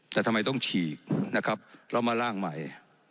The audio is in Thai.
แต่ทำไมต้องฉีกนะครับแล้วมาล่างใหม่